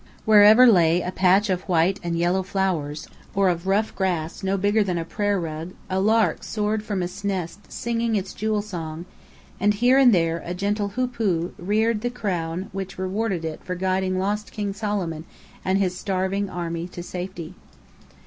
Wherever lay a patch of white and yellow flowers or of rough grass no bigger than a prayer rug, a lark soared from its nest singing its jewel song; and here and there a gentle hoopoo reared the crown which rewarded it for guiding lost King Solomon and his starving army to safety.